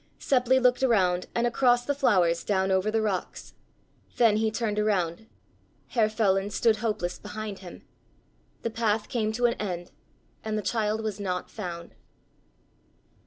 Seppli looked around and across the flowers down over the rocks. Then he turned around. Herr Feland stood hopeless behind him. The path came to an end, and the child was not found!